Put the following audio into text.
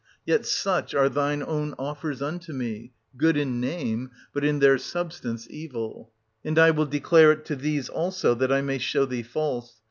Yet such are thine own offers unto me, — good in name, but in their substance evil. And I will declare it to these also, that I may show thee false.